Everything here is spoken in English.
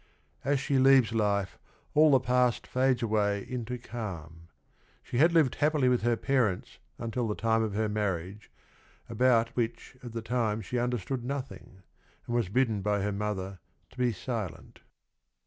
As she leaves life, all the past fades away into calm. She had lived happily with her parents until the time of her marriage, about which at the time she understood nothing, and was bidden by her mother to be silent.